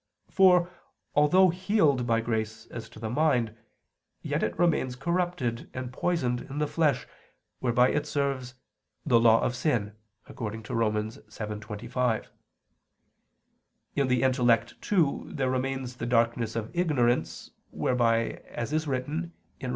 For although healed by grace as to the mind, yet it remains corrupted and poisoned in the flesh, whereby it serves "the law of sin," Rom. 7:25. In the intellect, too, there remains the darkness of ignorance, whereby, as is written (Rom.